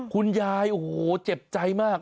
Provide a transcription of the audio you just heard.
คุณยายโอ้โหเจ็บใจมาก